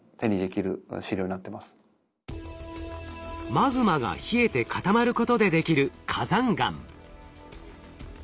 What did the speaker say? マグマが冷えて固まることでできる火山岩。